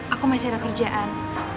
aku masih ada kerjaan